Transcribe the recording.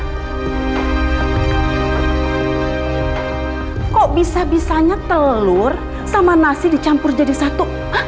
kenapa bisa bisanya telur dan nasi dicampur menjadi satu